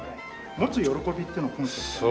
持つ喜びっていうのをコンセプトに。